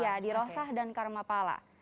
iya dirosah dan karmapala